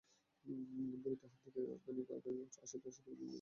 বুড়ি তাহার দিকে আরও খানিক আগাইয়া আসিতে আসিতে বলিল, ভয় কি ও মোরে বাবারা?